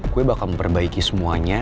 gue bakal memperbaiki semuanya